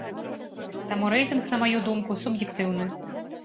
Таму рэйтынг, на маю думку, суб'ектыўны.